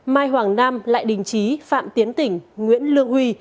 mai hoàng nam lại đình trí phạm tiến tỉnh nguyễn lương huy